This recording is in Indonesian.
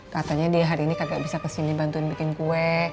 katanya dia hari ini kakek bisa kesini bantuin bikin kue